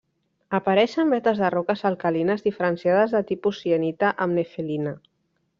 Apareix en vetes de roques alcalines diferenciades de tipus sienita amb nefelina.